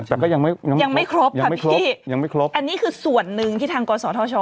แต่ก็ยังไม่ยังไม่ครบค่ะเมื่อกี้ยังไม่ครบอันนี้คือส่วนหนึ่งที่ทางกศธช